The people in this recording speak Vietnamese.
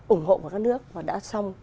ủng hộ của các nước và đã xong